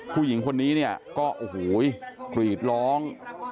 ผู้หญิงคนนี้ก็กรีดร้อง